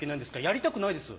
やりたくないです。